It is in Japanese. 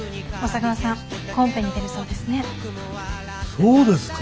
そうですか。